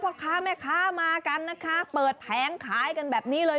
พ่อค้าแม่ค้ามากันนะคะเปิดแผงขายกันแบบนี้เลย